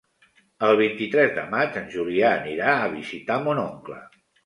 El vint-i-tres de maig en Julià anirà a visitar mon oncle.